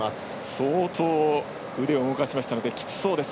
相当腕を動かしましたのできつそうです。